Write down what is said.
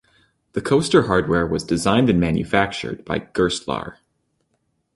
The coaster hardware was designed and manufactured by Gerstlauer.